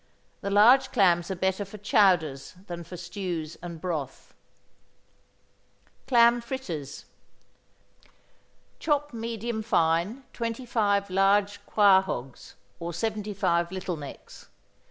The large clams are better for chowders than for stews and broth. =Clam Fritters.= Chop medium fine twenty five large quahaugs, or seventy five Little Necks.